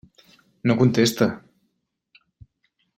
No contesta.